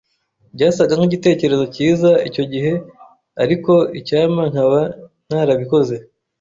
Byasaga nkigitekerezo cyiza icyo gihe, ariko icyampa nkaba ntarabikoze.